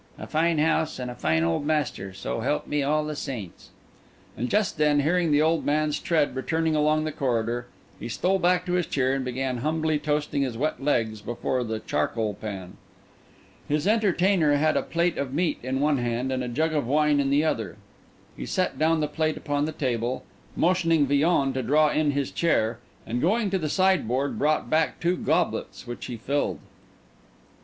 A fine house, and a fine old master, so help me all the saints!" And just then, hearing the old man's tread returning along the corridor, he stole back to his chair, and began humbly toasting his wet legs before the charcoal pan. His entertainer had a plate of meat in one hand and a jug of wine in the other. He set down the plate upon the table, motioning Villon to draw in his chair, and going to the sideboard, brought back two goblets, which he filled.